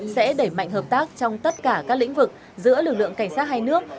sẽ đẩy mạnh hợp tác trong tất cả các lĩnh vực giữa lực lượng cảnh sát hai nước